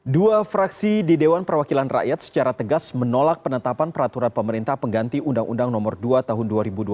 dua fraksi di dewan perwakilan rakyat secara tegas menolak penetapan peraturan pemerintah pengganti undang undang nomor dua tahun dua ribu dua puluh